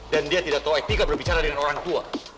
dan dia tidak tahu etika berbicara dengan orang tua